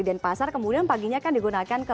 denpasar kemudian paginya kan digunakan ke